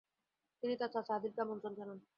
তিনি তার চাচা আদিলকে আমন্ত্রণ জানান।